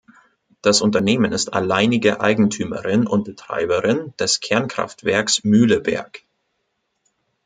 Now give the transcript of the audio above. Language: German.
Das Unternehmen ist alleinige Eigentümerin und Betreiberin des Kernkraftwerks Mühleberg.